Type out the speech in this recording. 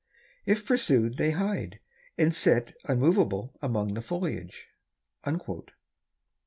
If pursued they hide, and sit unmovable among the foliage."